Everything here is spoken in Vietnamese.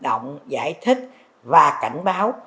động giải thích và cảnh báo